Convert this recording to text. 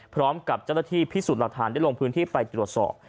พร้อมกับเจ้าหน้าที่พิสูจน์หลักฐานได้ลงพื้นที่ไปตรวจสอบ